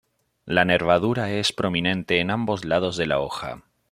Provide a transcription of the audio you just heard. La nervadura es prominente en ambos lados de la hoja.